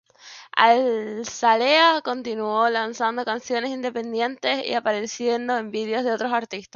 Azalea continuó lanzando canciones independientes y apareciendo en vídeos de otros artistas.